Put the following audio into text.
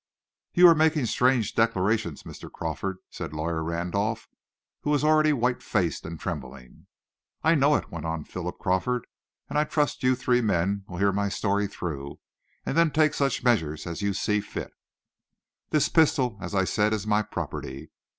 "You are making strange declarations, Mr. Crawford," said Lawyer Randolph, who was already white faced and trembling. "I know it," went on Philip Crawford, "and I trust you three men will hear my story through, and then take such measures as you see fit. "This pistol, as I said, is my property.